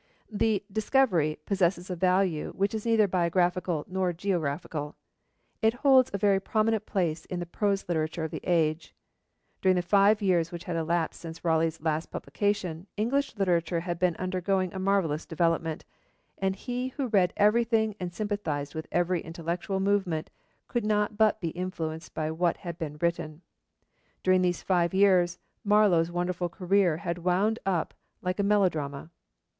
The Discovery possesses a value which is neither biographical nor geographical. It holds a very prominent place in the prose literature of the age. During the five years which had elapsed since Raleigh's last publication, English literature had been undergoing a marvellous development, and he who read everything and sympathised with every intellectual movement could not but be influenced by what had been written. During those five years, Marlowe's wonderful career had been wound up like a melodrama.